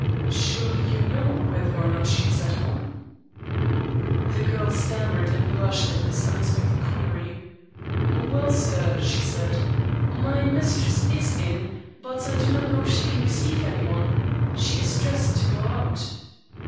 "Surely you know whether or not she is at home?" The girl stammered and blushed at this unexpected query. "Well, sir," she said, "my mistress is in, but I do not know if she can receive any one. She is dressed to go out."